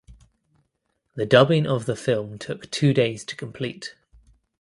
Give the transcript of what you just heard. The dubbing of the film took two days to complete.